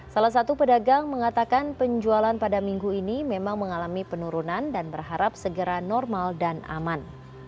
salah satu pedagang mengatakan penjualan pada minggu ini memang mengalami penurunan dan berharap segera normal dan aman